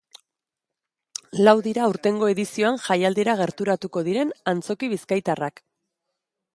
Lau dira aurtengo edizioan jaialdira gerturatu diren antzoki bizkaitarrak.